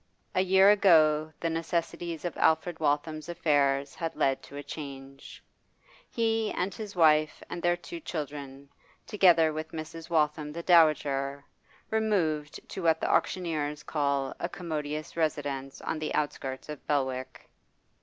A year ago the necessities of Alfred Waltham's affairs had led to a change; he and his wife and their two children, together with Mrs. Waltham the dowager, removed to what the auctioneers call a commodious residence on the outskirts of Belwick.